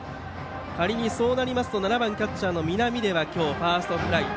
仮にそうなりますと７番キャッチャーの南出は今日、ファーストフライ。